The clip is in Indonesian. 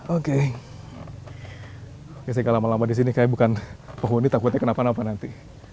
oke ketika lama lama di sini kayaknya bukan penghuni takutnya kenapa napa nanti